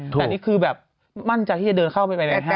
เพราะนี่คือมั่นใจที่จะเดินเข้าไปเเบรนด์ด้านห้าง